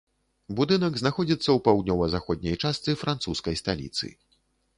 Будынак знаходзіцца ў паўднёва-заходняй частцы французскай сталіцы.